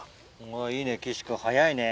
いいね岸君早いね。